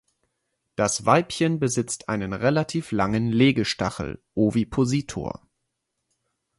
Das Weibchen besitzt einen relativ langen Legestachel (Ovipositor).